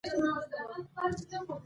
د هغې نقش به تل تایید کېږي.